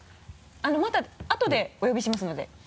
またあとでお呼びしますので。